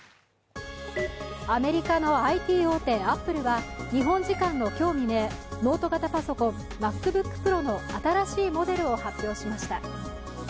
アメリカのＩＴ大手アップルは日本時間の今日未明、ノート型パソコンＭａｃＢｏｏｋＰｒｏの新しいモデルを発表しました。